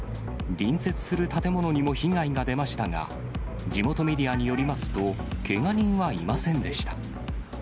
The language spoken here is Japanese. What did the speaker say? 隣接する建物にも被害が出ましたが、地元メディアによりますと、けが人はいませんでした。